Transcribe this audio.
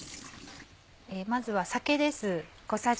まずは酒です。